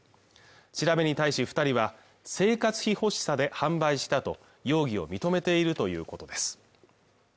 調べに対し二人は生活費欲しさで販売したと容疑を認めているということです